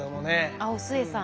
あっお壽衛さん。